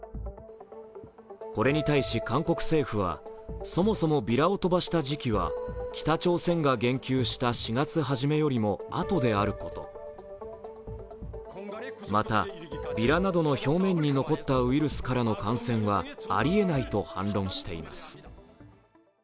これに対し韓国政府は、そもそもビラを飛ばした時期は北朝鮮が言及した４月初めよりもあとであること、また、ビラなどの表面に残ったウイルスからの感染はありえないと反論しています。